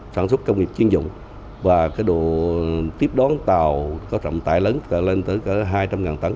sản xuất công nghiệp chuyên dụng và độ tiếp đón tàu có trọng tải lớn đã lên tới hai trăm linh tấn